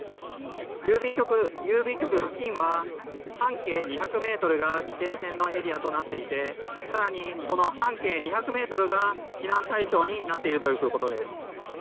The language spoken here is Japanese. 郵便局付近は半径２００ｍが規制線のエリアとなっていて更に、その半径２００ｍが避難対象になっているということです。